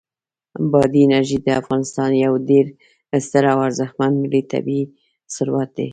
بادي انرژي د افغانستان یو ډېر ستر او ارزښتمن ملي طبعي ثروت دی.